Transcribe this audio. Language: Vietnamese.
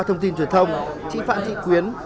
công tin truyền thông chị phạm thị quyến